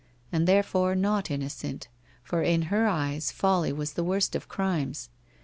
And therefore not innocent, for in her eyes, folly was the worst of crimes.